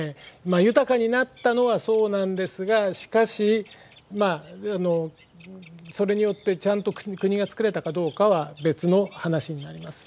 豊かになったのはそうなんですがしかしそれによってちゃんと国が造れたかどうかは別の話になります。